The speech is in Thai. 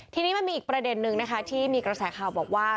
ทีนี้มันมีอีกประเด็นนึงนะคะที่มีกระแสข่าวบอกว่า